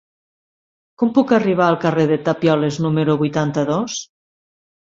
Com puc arribar al carrer de Tapioles número vuitanta-dos?